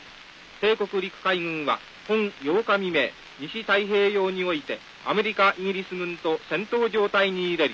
帝国陸海軍は本８日未明西太平洋においてアメリカイギリス軍と戦闘状態に入れり。